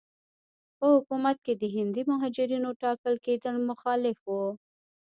په حکومت کې د هندي مهاجرینو ټاکل کېدل مخالف وو.